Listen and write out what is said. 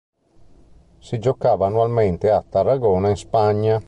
Si giocava annualmente a Tarragona in Spagna.